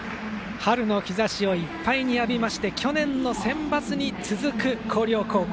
春の日ざしをいっぱい浴びまして去年のセンバツに続く、広陵高校